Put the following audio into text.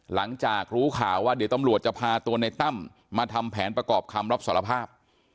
หลังจากรู้ข่าวว่าเดี๋ยวตำรวจจะพาตัวในตั้มมาทำแผนประกอบคำรับสารภาพ